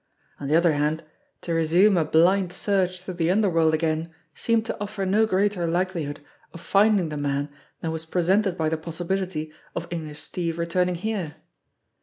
On the other hand, to resume a blind search through the underworld again seemed to offer no greater likelihood of finding the man than was presented by the possibility of English Steve returning here.